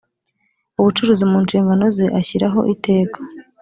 ubucuruzi mu nshingano ze ashyiraho iteka